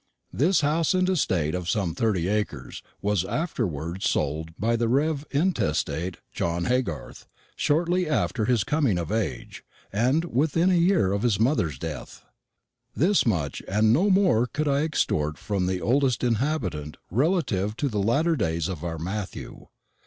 This house and estate of some thirty acres was afterwards sold by the rev. intestate, John Haygarth, shortly after his coming of age, and within a year of his mother's death. This much and no more could I extort from the oldest inhabitant relative to the latter days of our Matthew.